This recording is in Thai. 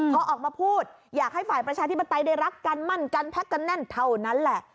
พอออกมาพูดอยากให้ฝ่ายประชาธิปไตยได้รักกันมั่นกันพักกันแน่นเท่านั้นแหละ